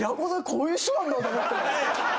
こういう人なんだ」と思って。